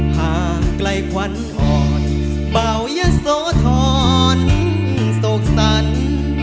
ห่างใกล้ควันธรรมเป่ายะโสธรสกสรรค์